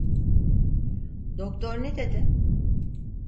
Doktor ne dedi?